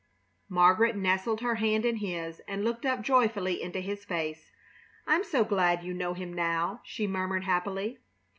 Margaret nestled her hand in his and looked up joyfully into his face. "I'm so glad you know Him now!" she murmured, happily.